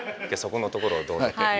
そこのところを。